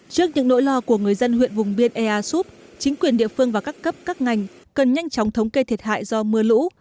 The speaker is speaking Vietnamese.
trước những nỗi lo của người dân huyện vùng biên ea súp chính quyền địa phương và các cấp các ngành cần nhanh chóng thống kê thiệt hại do mưa lũ